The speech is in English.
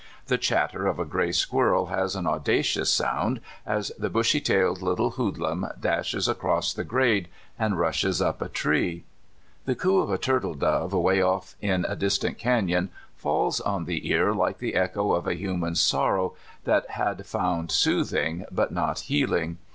The chatter of a gray squirrel has an audacious sound as the bushy tailed little hoodlum dashes across the grade, and rushes up a tree. The coo of a turtle dove away off in a distant canon falls on the ear like the echo of a human sorrow that had found soothing, but not healing.